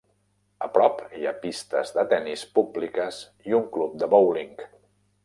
A prop hi ha pistes de tenis públiques i un club de bowling.